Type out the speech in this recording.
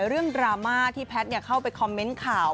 เรื่องดราม่าที่แพทน์เข้าไปคอมเม้นต์ข่าว